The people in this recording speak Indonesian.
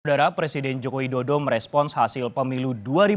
saudara presiden joko widodo merespons hasil pemilu dua ribu dua puluh